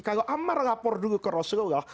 kalau amar lapor dulu ke rasulullah